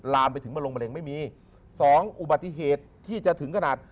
ลามไปถึงมะลงมะเร็งไม่มีสองอุบัติเหตุที่จะถึงขนาด